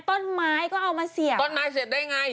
ต้นไม้ก็เอามาเสียบต้นไม้เสียบได้ไง